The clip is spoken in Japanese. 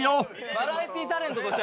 バラエティータレントとしては。